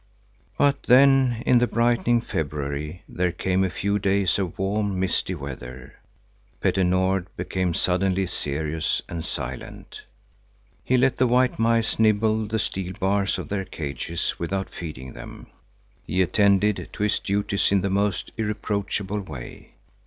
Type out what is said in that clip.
But then in the brightening February there came a few days of warm, misty weather. Petter Nord became suddenly serious and silent. He let the white mice nibble the steel bars of their cages without feeding them. He attended to his duties in the most irreproachable way.